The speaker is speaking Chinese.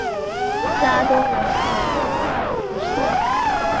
拉东人口变化图示